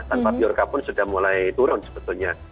tanpa biorka pun sudah mulai turun sebetulnya